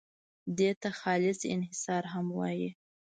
دې ته خالص انحصار هم وایي.